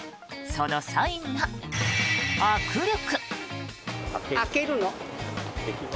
そのサインが握力。